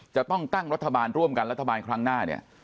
จะต้องตั้งรัฐบาลร่วมกันรัฐบาลครั้งหน้าเนี่ย